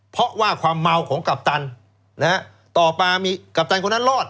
เพราะว่าความเมาของกัปตันนะฮะต่อมามีกัปตันคนนั้นรอด